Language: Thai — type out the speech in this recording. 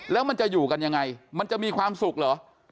แล้วมันจะอยู่กันยังไงมันจะมีความสุขเหรอ